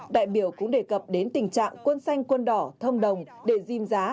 đại biểu cũng đề cập đến tình trạng quân xanh quân đỏ thông đồng để diêm giá